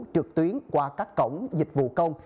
trực tuyến qua các cổng dịch vụ công